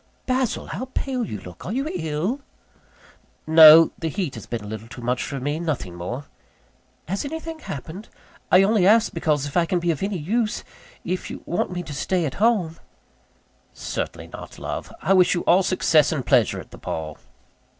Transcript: "Basil, how pale you look! Are you ill?" "No; the heat has been a little too much for me nothing more." "Has anything happened? I only ask, because if I can be of any use if you want me to stay at home " "Certainly not, love. I wish you all success and pleasure at the ball."